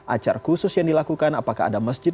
acar khusus yang dilakukan apakah ada masjid